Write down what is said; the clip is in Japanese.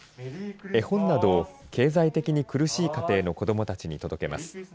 絵本などを経済的に苦しい家庭の子どもたちに届けます。